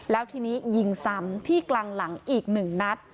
แล้วทีนี้ยิงซ้ำที่กลางหลังอีก๑นัด